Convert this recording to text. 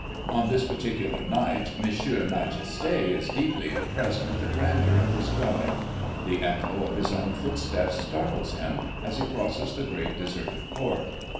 On this particular night M. Majesté is deeply impressed with the grandeur of his dwelling. The echo of his own footsteps startles him as he crosses the great deserted court.